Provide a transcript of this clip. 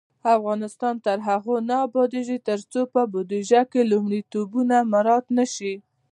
افغانستان تر هغو نه ابادیږي، ترڅو په بودیجه کې لومړیتوبونه مراعت نشي.